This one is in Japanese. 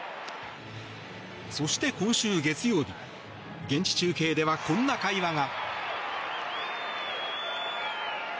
そして、今週月曜日現地中継ではこんな会話が。